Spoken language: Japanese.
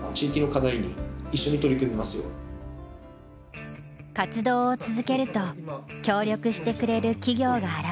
活動を続けると協力してくれる企業が現れた。